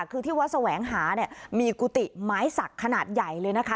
คือที่วัดแสวงหาเนี่ยมีกุฏิไม้สักขนาดใหญ่เลยนะคะ